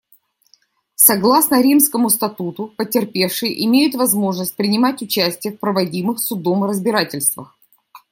Согласно Римскому статуту, потерпевшие имеют возможность принимать участие в проводимых Судом разбирательствах.